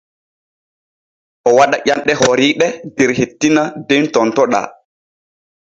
O waɗa ƴanɗe horiiɗe der hettina den tontoɗaa.